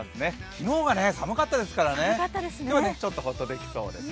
昨日が寒かったですからね、今日はちょっとホッとできそうです。